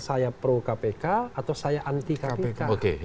saya pro kpk atau saya anti kpk